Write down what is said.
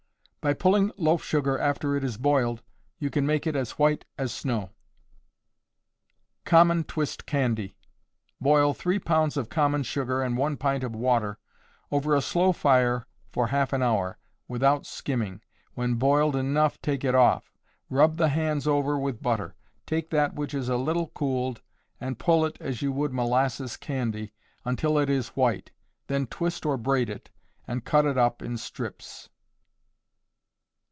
By pulling loaf sugar after it is boiled, you can make it as white as snow. Common Twist Candy. Boil three pounds of common sugar and one pint of water over a slow fire for half an hour, without skimming. When boiled enough take it off; rub the hands over with butter; take that which is a little cooled, and pull it as you would molasses candy, until it is white; then twist or braid it, and cut it up in strips.